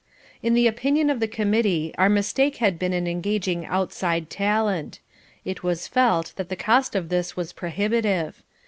In the opinion of the committee our mistake had been in engaging outside talent. It was felt that the cost of this was prohibitive.